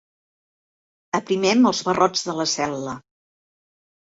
Aprimem els barrots de la cel·la.